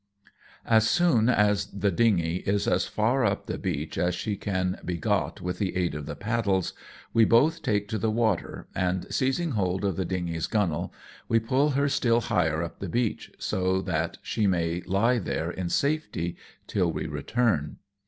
As soon as the dingey is as far up the beach as she can be got with the aid of the paddles, we both take to the water, and seizing hold of the dingey's gunwale, we pull her still higher up the beach, so that she may lie there in safety till we return.